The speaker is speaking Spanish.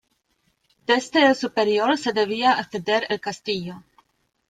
Desde el superior se debía acceder al castillo.